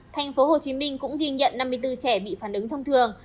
tp hcm cũng ghi nhận năm mươi bốn trẻ bị phản ứng thông thường